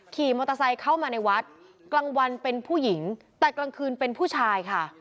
ขี่มอเตอร์ไซค์เข้ามาในวัดกลางวันเป็นผู้หญิงแต่กลางคืนเป็นผู้ชายค่ะ